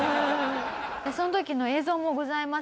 その時の映像もございます。